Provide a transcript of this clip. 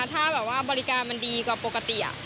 ถ้าบริการมันดีกว่าปกติ